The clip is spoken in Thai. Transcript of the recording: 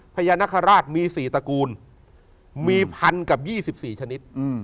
พญานาคาราชมี๔ตระกูลมีพันกับ๒๔ชนิด